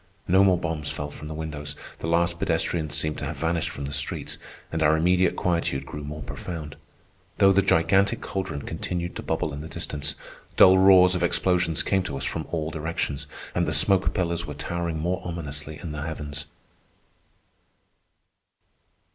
No more bombs fell from the windows, the last pedestrians seemed to have vanished from the streets, and our immediate quietude grew more profound; though the gigantic caldron continued to bubble in the distance, dull roars of explosions came to us from all directions, and the smoke pillars were towering more ominously in the heavens.